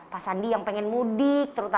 pak sandi yang pengen mudik